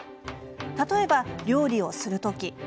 例えば、料理をする時。